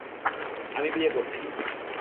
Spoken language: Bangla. আমি বিয়ে করছি!